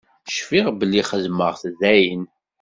Cfiɣ belli xedmeɣ-t daɣen.